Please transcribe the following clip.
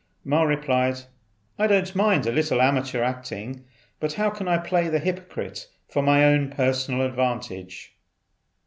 Ma replied, "I don't mind a little amateur acting, but how can I play the hypocrite for my own personal advantage?"